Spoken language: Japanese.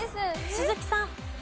鈴木さん。